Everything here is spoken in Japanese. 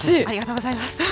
ありがとうございます。